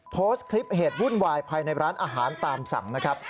โพสต์คลิปเหตุวุ่นวายภายในร้านอาหารตามสั่งนะครับ